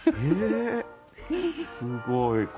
えすごい。